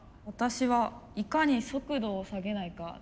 私はいかに速度を下げないか。